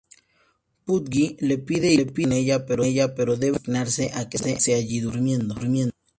Pudgy le pide ir con ella, pero debe resignarse a quedarse allí durmiendo.